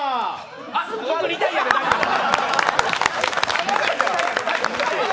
あっ、リタイヤで大丈夫です。